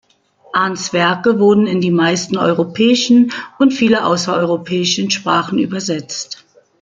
Arndts Werke wurden in die meisten europäischen und viele außereuropäische Sprachen übersetzt.